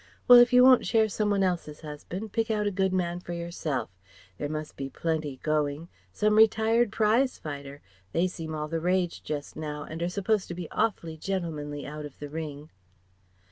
Well if you won't share some one else's husband, pick out a good man for yourself. There must be plenty going some retired prize fighter. They seem all the rage just now, and are supposed to be awfully gentlemanly out of the ring."